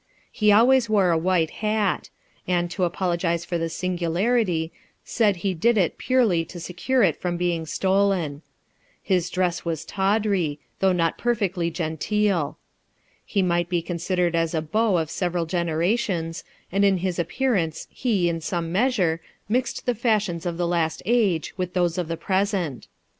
He always wore a white hat ; and, to apologize for this singularity, said, he did it purely to secure it from being stolen : his dress was tawdry, though not perfectly genteel ; he might be considered as a beau of several generations, and in his appearance he, in some measure, mixed the fashions of the last age with those of the present.